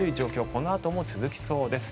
このあとも続きそうです。